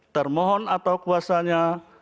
termohon atau kuasanya